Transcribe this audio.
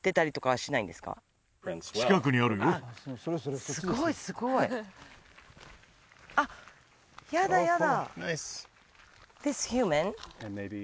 すごいこれすごいすごいあっやだやだ